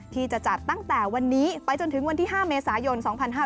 ที่จะจัดตั้งแต่วันนี้ไปจนถึงวันที่๕เมษายน๒๕๕๙